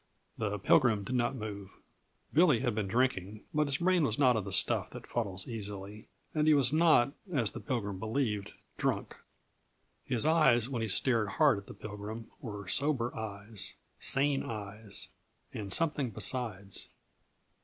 The Pilgrim did not move. Billy had been drinking, but his brain was not of the stuff that fuddles easily, and he was not, as the Pilgrim believed, drunk. His eyes when he stared hard at the Pilgrim were sober eyes, sane eyes and something besides.